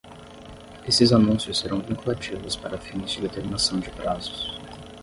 Esses anúncios serão vinculativos para fins de determinação de prazos.